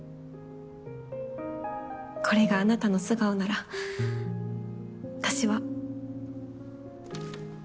これがあなたの素顔なら私は。